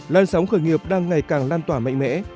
lan sóng khởi nghiệp đang ngày càng lan tỏa mạnh mẽ